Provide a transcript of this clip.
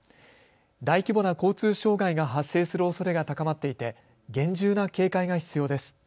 大規模な交通障害が発生する恐れが高まっていて厳重な警戒が必要です。